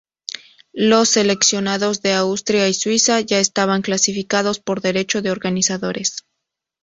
Los seleccionados de Austria y Suiza ya estaban clasificados por derecho de organizadores.